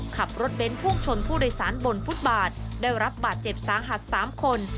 ขับรถเบ้นพุ่งชนผู้โดยสารบนฟุตบาทได้รับบาดเจ็บสาหัส๓คน